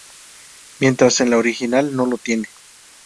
Mientras en la original no lo tiene.